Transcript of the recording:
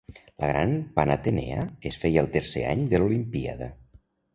La Gran Panatenea es feia al tercer any de l'olimpíada.